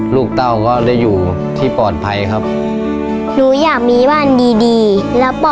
ลูกเตาก็ได้อยู่ที่ปลอดภัยครับ